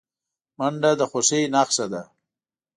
منډه د خوښۍ نښه ده